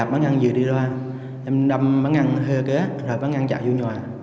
bán ăn vừa đi ra em đâm bán ăn hơi kế rồi bán ăn chạy vô nhòa